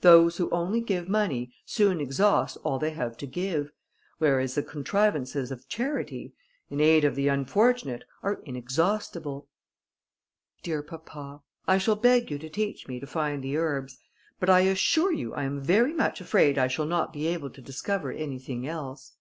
Those who only give money soon exhaust all they have to give, whereas the contrivances of charity, in aid of the unfortunate, are inexhaustible." "Dear papa, I shall beg you to teach me to find the herbs; but I assure you I am very much afraid I shall not be able to discover anything else."